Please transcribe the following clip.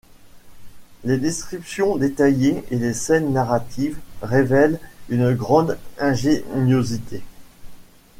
Les descriptions détaillées et les scènes narratives révèlent une grande ingéniosité.